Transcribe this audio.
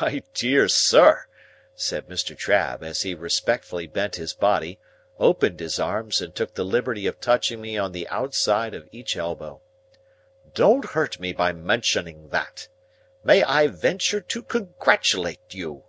"My dear sir," said Mr. Trabb, as he respectfully bent his body, opened his arms, and took the liberty of touching me on the outside of each elbow, "don't hurt me by mentioning that. May I venture to congratulate you?